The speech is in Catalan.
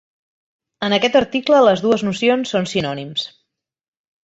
En aquest article les dues nocions són sinònims.